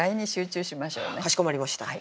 かしこまりました。